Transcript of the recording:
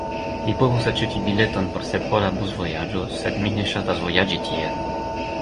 Mi povus aĉeti bileton por sephora busvojaĝo, sed mi ne ŝatas vojaĝi tiel.